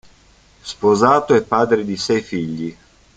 Sposato e padre di sei figli.